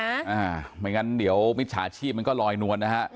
ไม่งั้นเดี๋ยวมิจฉาชีพมันก็ลอยนวลนะฮะ